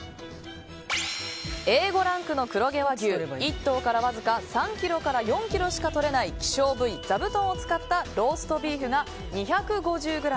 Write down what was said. Ａ５ランクの黒毛和牛１頭からわずか３ｋｇから４ｋｇしかとれない希少部位ザブトンを使ったローストビーフが２５０ｇ。